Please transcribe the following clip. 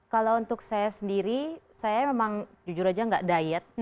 kalau untuk saya sendiri saya memang jujur aja nggak diet